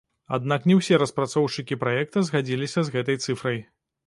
Аднак не ўсе распрацоўшчыкі праекта згадзіліся з гэтай цыфрай.